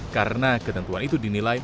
karena ketentuan itu dinilai